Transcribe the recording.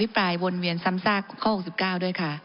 ปลายวนเวียนซ้ำซากข้อ๖๙ด้วยค่ะ